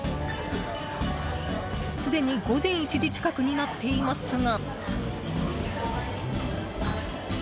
すでに午前１時近くになっていますが。